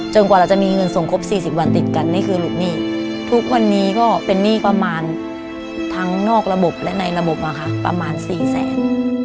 กว่าเราจะมีเงินส่งครบ๔๐วันติดกันนี่คือหลุดหนี้ทุกวันนี้ก็เป็นหนี้ประมาณทั้งนอกระบบและในระบบอะค่ะประมาณสี่แสน